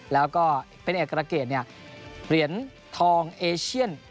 แล้วก็เป็นเอกลักษณ์เนี่ยเหรียญทองเอเชียน